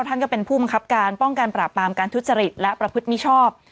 ท่านก็เป็นผู้บังคับการป้องกันปราบปรามการทุจริตและประพฤติมิชอบ